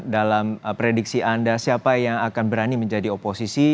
dalam prediksi anda siapa yang akan berani menjadi oposisi